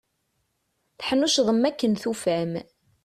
Teḥnuccḍem akken tufam.